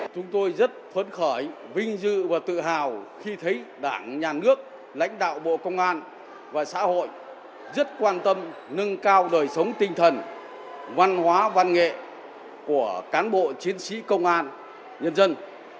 chúng tôi rất phấn khởi vinh dự và tự hào khi thấy đảng nhà nước lãnh đạo bộ công an và xã hội rất quan tâm nâng cao đời sống tinh thần văn hóa văn nghệ của cán bộ chiến sĩ công an nhân dân